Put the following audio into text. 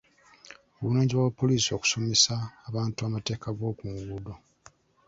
Buvunaanyizibwa bwa poliisi okusomesa abantu amateeka g'oku nguudo.